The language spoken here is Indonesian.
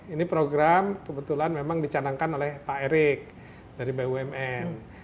ini program kebetulan memang dicanangkan oleh pak erik dari bumn